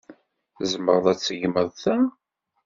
Tzemreḍ ad tseggmeḍ ta?